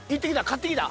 買ってきた？